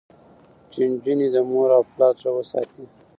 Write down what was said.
چې نجونې د مور او پلار زړه وساتي.